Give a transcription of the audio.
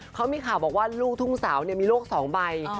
เขามีข่าวบอกว่าลูกทุ่งสาวมีโรค๒ใบ